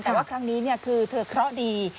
แต่ว่าครั้งนี้คือเธอเคราะห์ดี